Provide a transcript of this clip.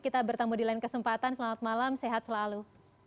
kita bertemu di lain kesempatan selamat malam sehat selalu